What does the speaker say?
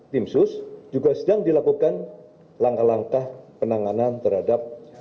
tim sus juga sedang dilakukan langkah langkah penanganan terhadap